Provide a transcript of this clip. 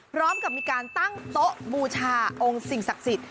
พร้อมกับมีการตั้งโต๊ะบูชาองค์สิ่งศักดิ์สิทธิ